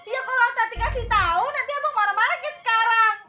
ya kalo tati kasih tau nanti abang marah marah kayak sekarang